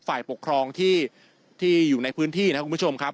ฝ่ายปกครองที่อยู่ในพื้นที่นะครับคุณผู้ชมครับ